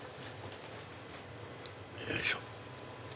よいしょ。